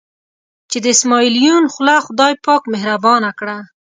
چې د اسمعیل یون خوله خدای پاک مهربانه کړه.